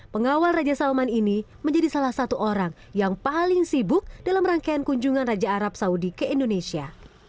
pengawal raja salman ini menjadi salah satu orang yang paling sibuk dalam rangkaian kunjungan raja arab saudi ke indonesia